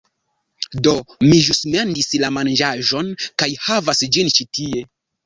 Do mi ĵus mendis la manĝaĵon, kaj havas ĝin ĉi tie...